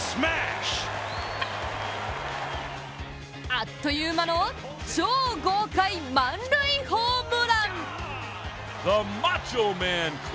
あっという間の超豪快満塁ホームラン。